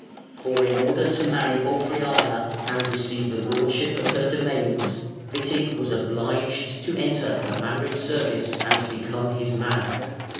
For, in order to marry Bolfriana and receive the lordship of her domains, Witig was obliged to enter Hermanric's service and become his man.